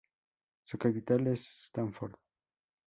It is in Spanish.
Su capital es Stafford.